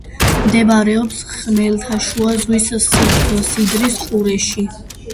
მდებარეობს ხმელთაშუა ზღვის სიდრის ყურეში.